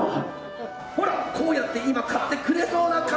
ほら、こうやって今買ってくれそ